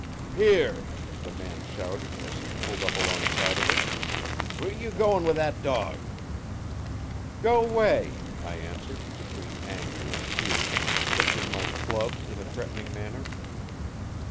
'Here!' the man shouted as he pulled up along side of us, 'where ye goin' with that dog?' 'Go 'way,' I answered, between anger and tears, lifting my club in a threatening manner.